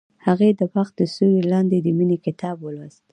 هغې د باغ تر سیوري لاندې د مینې کتاب ولوست.